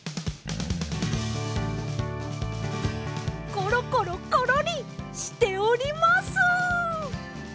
コロコロコロリしております！